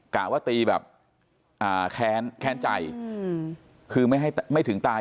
กะว่าตีแบบแค้นใจคือไม่ถึงตาย